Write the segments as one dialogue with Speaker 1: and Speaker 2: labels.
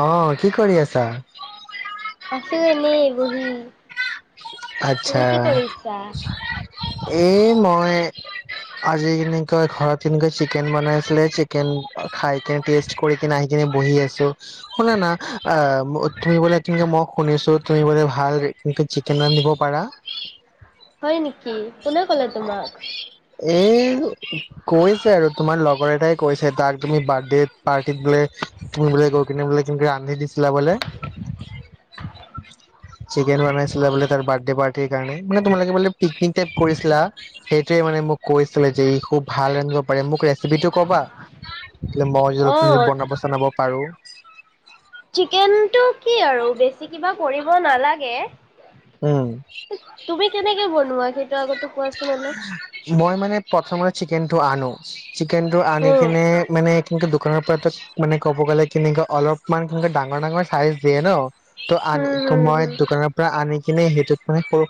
Speaker 1: অ কি কৰি আছা?
Speaker 2: আছো এনেই বহি। তুমি কি কৰিছা?
Speaker 1: এ মই আজি এনেকৈ ঘৰত [unintelligible] চিকেন বনাইছিলে। চিকেন খাই কেন টেষ্ট কৰি কেনা আহি কেনে বহি আছো। শুনা না আ [unintelligible] তুমি বোলে [unintelligible] মই শুনিছো তুমি বোলে ভাল [unintelligible] [unintelligible] নিব পাৰা
Speaker 2: [unintelligible] নেকি? কোনে ক'লে তোমাক?
Speaker 1: এই কৈছে আৰু তোমাৰ লগৰ এটাই কৈছে। তাক তুমি বাৰ্থডেত পাৰ্টিত বোলে তুমি বোলে গৈ কেনে বোলে [unintelligible] আনি দিছিলা বোলে। চিকেন বনাইছিলা বোলে তাৰ বাৰ্থডে পাৰ্টিৰ কাৰণে মানে তোমালোকে বোলে পিকনিক টাইপ কৰি ছিলা সেইটোৱে মানে মোক কৈছিলে যে ই খুব ভাল ৰান্ধিব পাৰে মোক ৰেচিপিটো কবা? [unintelligible] মই [unintelligible]
Speaker 2: অ',
Speaker 1: বনাব চনাব পাৰো।
Speaker 2: চিকেনটো কি আৰু বেছি কিবা কৰিব নালাগে।
Speaker 1: উম।
Speaker 2: [unintelligible] কোৱা
Speaker 1: মই মানে প্ৰথমতে চিকেনটো আনো। চিকেন টো আনি
Speaker 2: উম।
Speaker 1: কেনে মানে কিন্তু দোকানৰ পৰা তই মানে ক'ব গ'লে কেনেকুৱা অলপমান সেনেকুৱা ডাঙৰ ডাঙৰ চাইজ দিয়ে ন। ত'
Speaker 2: উম,
Speaker 1: আনি
Speaker 2: হুম,
Speaker 1: মই
Speaker 2: হুম,
Speaker 1: দোকানৰ পৰা আনি কিন্তু। সেইটোত মানে সৰু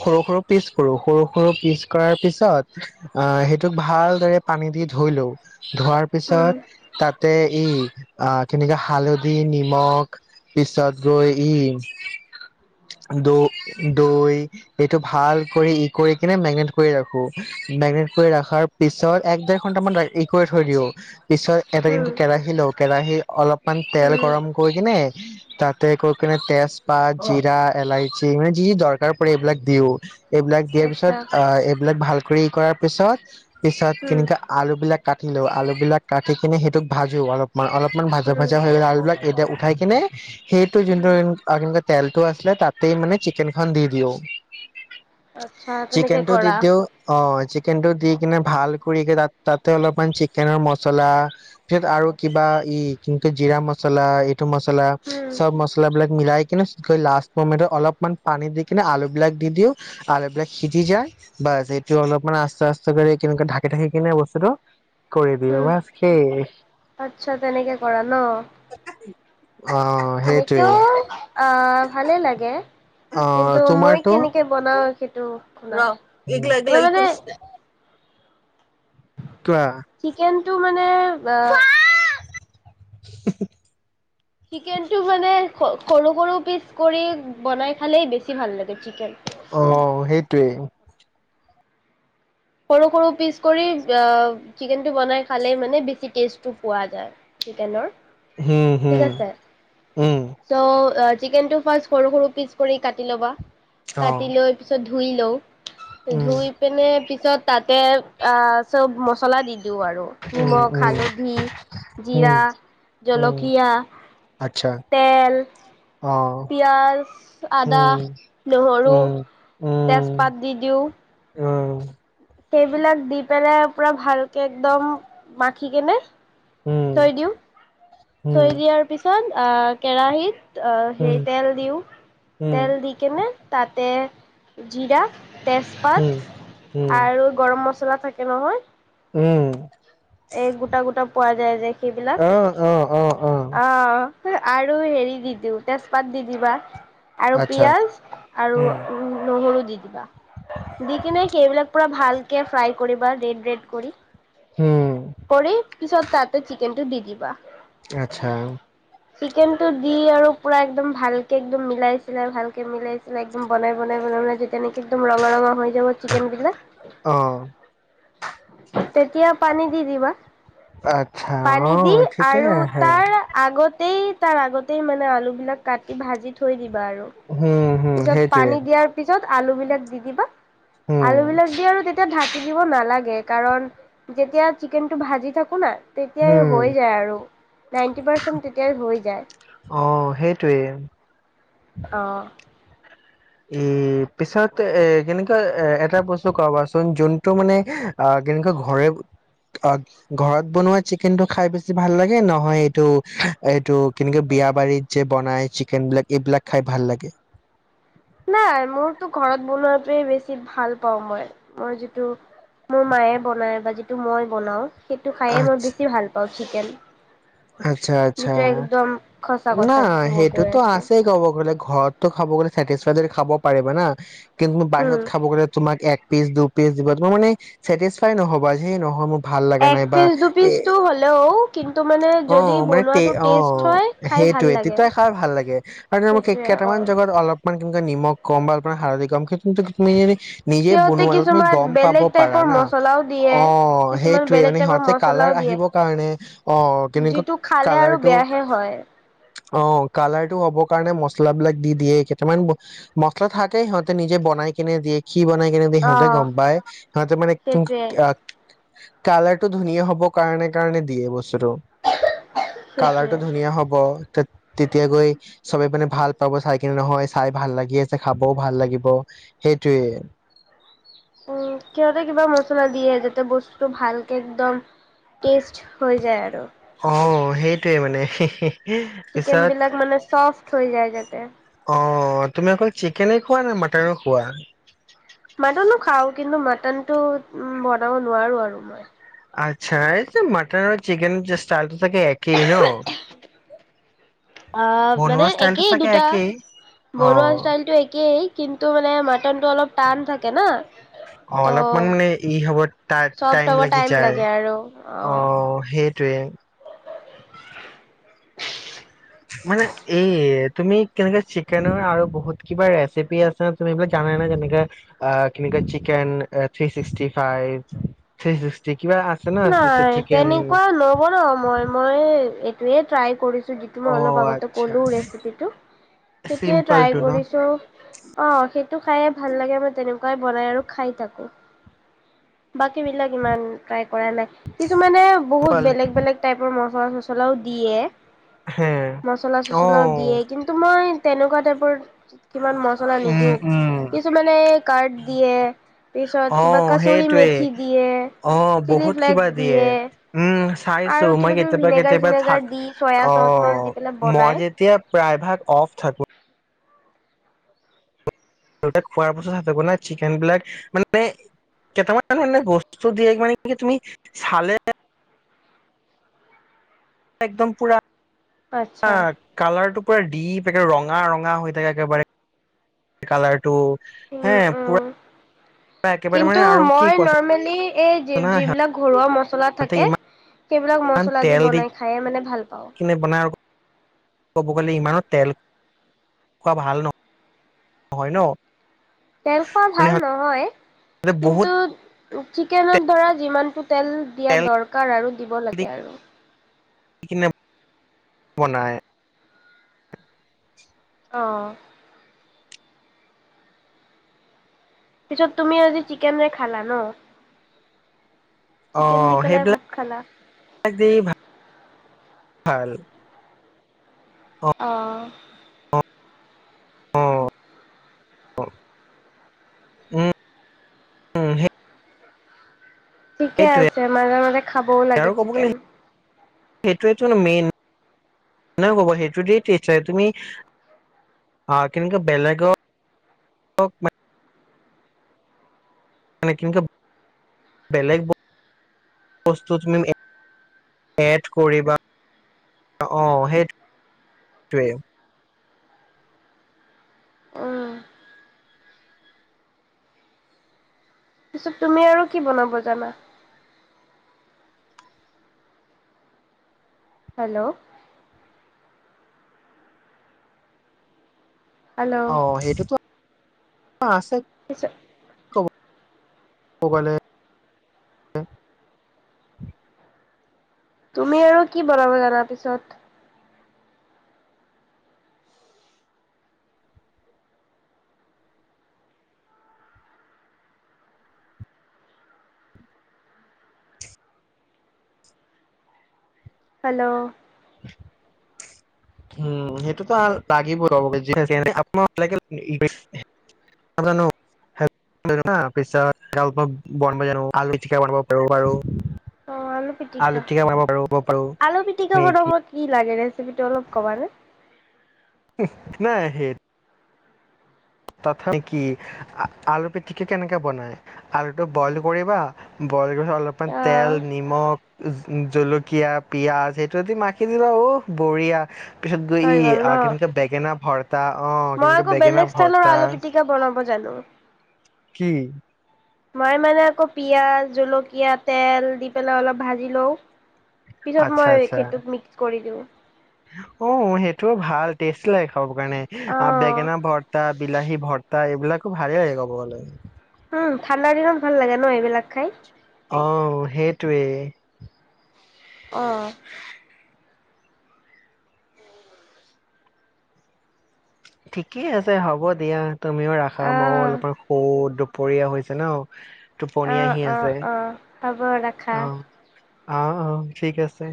Speaker 1: সৰু সৰু পিচ কৰো সৰু সৰু পিচ কৰাৰ পিছত আহ সেইটোক ভালদৰে পানী দি ধুই লো ধোৱাৰ পিছত
Speaker 2: হুম,
Speaker 1: তাতে ই অ' কিন্তু হালধি, নিমখ পিছত গৈ ই দৈ এইটো ভাল কৰি ই কৰি কেনে মেগনেট কৰি ৰাখো। মেগনেট কৰি ৰাখাৰ পিছত এক দেৰ ঘন্টামান ই কৰি থৈ দিও। পিছত এটা
Speaker 2: হুম,
Speaker 1: কিন্তু কেৰাহি লওঁ কেৰাহি অলপমান তেল
Speaker 2: হুম,
Speaker 1: গৰম কৰি কেনে তাতে [unintelligible] কেনে তেজপাত, জিৰা, এলাইচি মানে যি দৰকাৰ এইবিলাক দিও, এইবিলাক দিয়াৰ পিছত
Speaker 2: আচ্ছা।
Speaker 1: এইবিলাক ভাল [unintelligible] কৰাৰ পিছত পিছত
Speaker 2: উম,
Speaker 1: কেনেকা আলু বিলাক কাটি লোৱা আলুবিলাক কাটি কেনে সেইটোক ভাজো অলপ। মান অলপমান ভাজা
Speaker 2: উম,
Speaker 1: ভাজা হৈ গলে আলুবিলাক এতিয়া উ খায় কেনে সেইটো
Speaker 2: উম,
Speaker 1: যোনটো [unintelligible] তেলটো আছিলে তাত। তে মানে চিকেনখন দি
Speaker 2: আচ্ছা
Speaker 1: [unintelligible]
Speaker 2: তেনেকে
Speaker 1: চিকেনটো দি
Speaker 2: কৰা।
Speaker 1: দিওঁ। অ' চিক কিন্তু দি কেনে ভাল কৰি কে তাত- তাতে অলপমান চিকেনৰ মচলা ফিৰ আৰু কিবা ই কিন্তু জিৰা মচলা [unintelligible] [unintelligible] মছলা।
Speaker 2: উম,
Speaker 1: চব মছলা বিলাক মিলাই কিন্তু [unintelligible] লাষ্ট মমেণ্টত অলপমান পানী দি কিন্তু কৰি দিওঁ
Speaker 2: উম,
Speaker 1: বছ সেয়ে।
Speaker 2: আচ্ছা তেনেকে কৰা ন? তেনেকেও অহ ভালে লাগে।
Speaker 1: অ
Speaker 2: কিন্তু মই
Speaker 1: তোমাৰটো
Speaker 2: কেনেকে বনা অ [unintelligible]
Speaker 1: ৰ এইগিলা এইগিলা
Speaker 2: মই
Speaker 1: ই
Speaker 2: মানে
Speaker 1: কৰিছ কোৱা
Speaker 2: চিকেনটো মানে [unintelligible]
Speaker 1: [inaudible]
Speaker 2: চিকেন টো মানে সৰু সৰু পিচ কৰি বনাই খালেই বেছি ভাল লাগে চিকেন।
Speaker 1: অ' সেইটোৱেই।
Speaker 2: সৰু সৰু পিচ কৰি অ' চিকেনটো বনাই খালেই মানে বেছি টেষ্ট টো পোৱা যায় চিকেনৰ।
Speaker 1: হম
Speaker 2: ঠিক
Speaker 1: হম
Speaker 2: আছে।
Speaker 1: উম
Speaker 2: চো চিকেনটো ফাৰ্ষ্ট সৰু সৰু পিচ কৰি কাটি ল'বা।
Speaker 1: অ
Speaker 2: কাটি লৈ পিছত ধুই লওঁ
Speaker 1: উম
Speaker 2: ধুই পেনে পিছত তাতে অ চব ম চলা দিন দিওঁ আৰু নিমখ
Speaker 1: উম
Speaker 2: হালধি
Speaker 1: উম উম
Speaker 2: জিৰা
Speaker 1: উম
Speaker 2: জলকীয়া
Speaker 1: আচ্ছা
Speaker 2: তেল
Speaker 1: অ
Speaker 2: পিয়াঁজ আদা
Speaker 1: উম
Speaker 2: নহৰু
Speaker 1: উম
Speaker 2: তেজপাত দি দিওঁ
Speaker 1: অহ
Speaker 2: সেইবিলাক দি পেলাই পুৰা ভালকে একদম মাখি কেনে
Speaker 1: উম
Speaker 2: থৈ দিওঁ
Speaker 1: উম
Speaker 2: থৈ দিয়াৰ পিছত কেৰাহীত অ
Speaker 1: উম
Speaker 2: হেৰি তেল দিওঁ
Speaker 1: উম
Speaker 2: তেল দি কিনে তাতে জিৰা তেজপাত
Speaker 1: উম উম
Speaker 2: আৰু গৰম মছলা চলা থাকে নহয়
Speaker 1: উম
Speaker 2: এই গোটা গোটা পোৱা যায় যে সেইবিলাক
Speaker 1: অ অ অ অ
Speaker 2: অহ আৰু হেৰি দি দিওঁ তেজপাত দি দিবা আৰু
Speaker 1: আচ্ছা
Speaker 2: পিয়াঁজ আৰু
Speaker 1: উম
Speaker 2: নহৰু দি দিবা দি কিনে সেইবিলাক পুৰা ভালকে ফ্ৰাই কৰিবা ৰেড ৰেড কৰি
Speaker 1: উম
Speaker 2: কৰি পিছত তাতে চিকেন টো দি দিবা
Speaker 1: আচ্ছা
Speaker 2: চিকেনটো দি আৰু পুৰা একদম ভালকে একদম মিলাইছিলাই ভালকে মিলাইছিলে এক বনাই বনাই বনাই যেতিয়া নেকি একদম ৰঙা ৰঙা হৈ যাব চিকেন বিলাক
Speaker 1: অ
Speaker 2: [unintelligible] তেতিয়া পানীত দি দিবা
Speaker 1: আচ্ছা
Speaker 2: পানী
Speaker 1: অ
Speaker 2: দি
Speaker 1: ঠিকেই
Speaker 2: আৰু
Speaker 1: আহে
Speaker 2: তাৰ আগতেই তাৰ আগতেই মানে আলু বিলাক কাটি ভাজি থৈ দিব বাৰু
Speaker 1: হম হম
Speaker 2: পিছত
Speaker 1: সেইটোৱে
Speaker 2: পানী দিয়াৰ পিছত আলু বিলাক দি দিবা
Speaker 1: হম
Speaker 2: আলু বিলাক দি আৰু তেতিয়া ধাকি দিব নালাগে কাৰণ যেতিয়া চিকেনটো ভাজি থাকো না তেতিয়াই
Speaker 1: হম
Speaker 2: হৈ যায় আৰু নাইণ্টি পাৰ্চেণ্ট তেতিয়াই হৈ যায়
Speaker 1: অ সেইটোৱে
Speaker 2: অহ
Speaker 1: এ পিছত এ কেনেকুৱা এটা বস্তু কবাচোন যোনটো মানে কেনেকা ঘৰে ঘৰত বনোৱা চিকেনটো খাই বেছি ভাল লাগে নহয় এইটো এইটো কেনেক বিয়া বাৰিত যে বনাই চিকেন বিলাক এইবিলাক খাই ভাল লাগে
Speaker 2: নাই মোৰতো ঘৰত বনোৱাতে বেছি ভাল পাওঁ মই মই যিটো মোৰ মায়ে বনাই বা যিটো মই বনাও সেইটো খাইয়ে মই
Speaker 1: আচ্ছ
Speaker 2: বেছি ভাল পাওঁ চিকেন
Speaker 1: আচ্ছা আচ্ছা,
Speaker 2: যিটো একদম সঁচা
Speaker 1: ন
Speaker 2: কথা যিটো মই কৈ
Speaker 1: সেইটোতো
Speaker 2: আছোঁ
Speaker 1: আছেই ক'ব গ'লে ঘৰততো খাব গ'লে চেটিছফাইড খাব পাৰিবা না কিন্তুু বাহিৰত
Speaker 2: উম,
Speaker 1: খাব গ'লে তোমাক এক পিচ, দু পিচ দিব। তোমাৰ মানে চেটিছফাই নহবা সে নহয় ম
Speaker 2: এক পিচ, দু পিচটো হলেও কিন্তু মানে
Speaker 1: অ
Speaker 2: যদি
Speaker 1: মানে তে
Speaker 2: বনোৱাটো
Speaker 1: অ
Speaker 2: টেষ্ট হয় খাই ভাল
Speaker 1: সেইটোয়ে
Speaker 2: লাগে।
Speaker 1: তেতিয়াই খাই ভাল লাগে আৰু মোক
Speaker 2: সেইটোৱে অ,
Speaker 1: কেইটামান জগত অলপমান তেনেুৱা নিমখ কম, বা আপোনাৰ হালদি কম কিন্তু মে নিজে
Speaker 2: সিহঁতে
Speaker 1: বনোৱা
Speaker 2: কিছুমান
Speaker 1: গম পাব
Speaker 2: বেলেগ
Speaker 1: পাৰা
Speaker 2: টাইপৰ
Speaker 1: না,
Speaker 2: মচলাও দিয়ে।
Speaker 1: অ
Speaker 2: কিছুমান
Speaker 1: সেইটোৱে
Speaker 2: বেলেগ
Speaker 1: মানে
Speaker 2: টাইপৰ
Speaker 1: সিহঁতে কালাৰ
Speaker 2: মচলাও দিয়ে
Speaker 1: আহিব কাৰণে কেনেকুৱা
Speaker 2: যিটো খালে আৰু
Speaker 1: কালাৰটো
Speaker 2: বেয়াহে হয়
Speaker 1: অ কালাৰ টো হ'ব কাৰণে মচলাাবলাক দি দিয়ে। কেইটামান মছলা থাকেই সিহঁতে নিজে বনাই কিনে দিয়ে কি বনাই কিনে দিয়ে
Speaker 2: অ,
Speaker 1: সিহঁতে গম পায়। সিহঁতে মানে অহ উ
Speaker 2: সেইটোৱে
Speaker 1: [unintelligible] কালাৰ টো ধুনীয়া হ'বৰ কাৰণে কাৰণে দিয়ে বস্তুটো
Speaker 2: সেইটোৱে।
Speaker 1: কালাৰটো ধুনীয়া হ'ব, তেতিয়া গৈ চবে মানে ভাল পাব চাই কিনে নহয় চাই ভাল লাগি আছে খাবও ভাল লাগিব সেইটোৱে
Speaker 2: দ যা বস্তুটো ভালকে একদম তেজ [unintelligible] হৈ যায় আৰু
Speaker 1: অ সেইটোৱে মানে হে হে
Speaker 2: চিকেন বিলাক মানে চফট হৈ যায় যাতে
Speaker 1: অ তুমি অকল চিকেনে খোৱা নে মাটন খোৱা?
Speaker 2: মাটনো খাঁও কিন্তু মাটনতটো উ বনাব নোৱাৰো আৰু মই
Speaker 1: আচ্ছা এই যে মাটন আৰু চিকেন যে ষ্টাইলটো থাকে একেই ন?
Speaker 2: অ মানে
Speaker 1: বনোৱা ষ্টাইলটো
Speaker 2: একেই
Speaker 1: চাগে
Speaker 2: দুটা
Speaker 1: একেই অ
Speaker 2: বনৱা ষ্টাইল টো একেই কিন্তু মানে মাটনতটো অলপ টান থাকে না
Speaker 1: অ
Speaker 2: ত'
Speaker 1: অলপমান মানে ই হব ত
Speaker 2: চফ্ট
Speaker 1: টাইম
Speaker 2: হ'ব
Speaker 1: লাগি যায়,
Speaker 2: লাগে আৰু
Speaker 1: অ সেই সেইটোৱেই মানে এই তুমি কেনে চিকেনৰ আৰু বহুত কিবা ৰেচিপি আছে তুমি এইবিলাক জানা নে কেনেকে আ কেনেকে chicken three sixty five three sixty
Speaker 2: নাই তেনেকুৱা নবনাও মই মই তয়ে ট্ৰাই কৰিছ ত - যিটো মই
Speaker 1: অ
Speaker 2: অলপ আগতে
Speaker 1: আচ্ছা
Speaker 2: কলো ৰেচিপিটো, সেইটোৱে ট্ৰাই
Speaker 1: চিম্পলটো ন
Speaker 2: কৰিছোঁ। অ' সেই টো খাইে ভাল লাগে মই তেনেকুৱাই বনাই আৰু খাই থাকো। বাকী বিলাক ইমান ট্ৰাই কৰা নাই। কিছুমানে বহুত
Speaker 1: চিম্পল
Speaker 2: বেলেগ বেলেগ টাইপৰ ম [unintelligible] দিয়ে।
Speaker 1: হে অ
Speaker 2: মচলা-চছলাও দিয়ে, কিন্তু মই তেনেকুৱা টাইপৰ কিমান মছলা
Speaker 1: উম
Speaker 2: নিদিও।
Speaker 1: উম
Speaker 2: কিছুমানে কাৰ্দ দিয়ে, পিছত
Speaker 1: অ
Speaker 2: কিবা কাচুৰি
Speaker 1: সেইটোৱে
Speaker 2: মেথি দিয়ে।
Speaker 1: অ
Speaker 2: চিলি
Speaker 1: বহুত
Speaker 2: ফ্লেক্স
Speaker 1: কিবা দিয়ে। উম চাইছো,
Speaker 2: আৰু
Speaker 1: মই
Speaker 2: কিবা কিবি
Speaker 1: কেতিয়াবা
Speaker 2: ভিনেগাৰ
Speaker 1: কেতিয়াবা
Speaker 2: চিনেগাৰ
Speaker 1: থাক-
Speaker 2: দি চয়া চচ মচ দি
Speaker 1: অ'
Speaker 2: পেলাই
Speaker 1: মই
Speaker 2: বনাই।
Speaker 1: যেতিয়া প্ৰায়ভাগ অফ থাকো [unintelligible] খোৱাৰ পাছত হে [unintelligible] চিকেনবিলাক মানে কেটামান [unintelligible] বস্তু দিয়ে মানে কি তুমি চালে একদম পুৰা আ
Speaker 2: আচ্ছা।
Speaker 1: কালাৰটো পুৰা ডীপ একেবাৰে ৰঙা-ৰঙা হৈ থাকে একেবাৰে। কালাৰটো হে,
Speaker 2: উম
Speaker 1: পুৰা
Speaker 2: উম।
Speaker 1: একেবাৰে
Speaker 2: কিন্তু
Speaker 1: মানে আৰু কি
Speaker 2: মই
Speaker 1: কোৱাচোন
Speaker 2: নৰ্মেলি এই
Speaker 1: না
Speaker 2: যি-যিবিলাক ঘৰুৱা মছ মচলা
Speaker 1: সিহঁতে
Speaker 2: থাকে, সেইবিলাক
Speaker 1: ইমান
Speaker 2: মচলা দি
Speaker 1: তেল
Speaker 2: বনাই খায়ে মানে ভাল পাওঁ।
Speaker 1: কিনে বনাই আৰু ক'ব গ'লে ইমানো তেল খোৱা ভাল ন-নহয় ন?
Speaker 2: তেল খোৱা
Speaker 1: মানে
Speaker 2: ভাল নহয়।
Speaker 1: সিহঁতে
Speaker 2: কিন্তু
Speaker 1: বহুত
Speaker 2: চিকেনত ধৰা যিমানটো তেল দিয়া
Speaker 1: তেল
Speaker 2: দৰকাৰ আৰু দিব
Speaker 1: দি
Speaker 2: লাগে আৰু।
Speaker 1: [unintelligible] কিনে বনায়
Speaker 2: অ'। পিছত তুমি আজি চিকেনে খালা ন? চিকেন দি
Speaker 1: অ'
Speaker 2: পেলাই
Speaker 1: সেইবিলাক
Speaker 2: ভাত খালা।
Speaker 1: [unintelligible] দি ভাত ভাল।
Speaker 2: অ'।
Speaker 1: অ', অ'।উ-উম। [unintelligible] সেই
Speaker 2: ঠিকে আছে মাজে-মাজে খাবও লাগে চিকেন।
Speaker 1: সেইটোৱে টোন মেইন [unintelligible] সেইটোৱেদি [unintelligible] তুমি আ কিন্তু বেলেগৰ [unintelligible] মানে [unintelligible] বেলেগ ব-বস্তু তুমি [unintelligible] এ-এড কৰিবা। অ' সেইটোৱে।
Speaker 2: উম, পিছত তুমি আৰু কি বনাব জানা? হেল্ল' হেল্ল'
Speaker 1: অ' সেইটোতো অ' আছে
Speaker 2: পিছত
Speaker 1: [unintelligible] ক'ব গ'লে [unintelligible]
Speaker 2: তুমি আৰু কি বনাব জানা পিছত? হেল্ল'
Speaker 1: হুম, সেইটোতো লাগিব [unintelligible]
Speaker 2: অ', পিটিকা।
Speaker 1: আলু টিকা বনাব পাৰোব পাৰো
Speaker 2: আলু পিটিকা বনাব
Speaker 1: মেগি
Speaker 2: কি লাগে ৰেচিপিটো অলপ কমা নে
Speaker 1: নাই সেই তথাপি [unintelligible] নেকি আলু পিটিকে কেনেকে বনাই আলুটো বইল কৰিবা বইল কৰি অলপমান তেল
Speaker 2: অ',
Speaker 1: নিমখ জলকীয়া পিঁয়াজ সেইটোদি মাখি দিলা ঔহ বঢ়ীয়া পিছত গৈ
Speaker 2: হৈ গ'ল ন?
Speaker 1: আগেইদিন বেঙেনা ভৰাই তা অ
Speaker 2: মই
Speaker 1: কেনেকে
Speaker 2: আকৌ
Speaker 1: বেঙেনা
Speaker 2: বেলেগ
Speaker 1: ভৰ
Speaker 2: ষ্টাইলৰ আলু পিটিকা বনাব জানো
Speaker 1: কি
Speaker 2: মই মানে আকৌ পিয়াঁজ জলকীয়া তেল দি পেলাই অলপ ভাজি লওঁ পিছত
Speaker 1: আচ্ছা
Speaker 2: মই
Speaker 1: আচ্ছা
Speaker 2: সেইটো মিক্স কৰি ক
Speaker 1: অ সেইটোও ভাল টেষ্ট লাগ কাৰণে
Speaker 2: অ',
Speaker 1: বেঙেনা ভৰ্তা বিলাহী ভৰ্তা এইবিলাক খুব ভাল আহি কব গ'লে
Speaker 2: উম ঠাণ্ডাৰ দিনত ভাল লাগে ন এইবিলাক খাই
Speaker 1: অহ সেইটোৱেই
Speaker 2: অহঁ
Speaker 1: ঠিকেই আছে হ'ব দিয়া তুমিও ৰাখা ম
Speaker 2: অ',
Speaker 1: অলপমান সৌ পৰিয়া হৈছে ন টোপনি আহি
Speaker 2: অহঁ অ
Speaker 1: আছে
Speaker 2: অ হবৰ
Speaker 1: অ
Speaker 2: ৰাখা
Speaker 1: অ অ ঠিক আছে